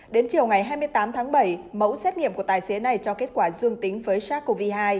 đến chiều ngày hai mươi tám tháng bảy mẫu xét nghiệm của tài xế này cho kết quả dương tính với sars cov hai